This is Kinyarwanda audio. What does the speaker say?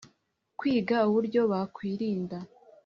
kwiga uburyo bakwirinda